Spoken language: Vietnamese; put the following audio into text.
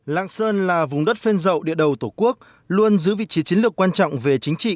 lạng sơn là vùng đất phên rậu địa đầu tổ quốc luôn giữ vị trí chiến lược quan trọng về chính trị